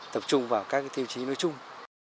tập trung vào các tiêu chí nối chung